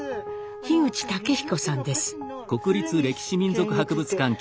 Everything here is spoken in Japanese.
樋口雄彦さんです。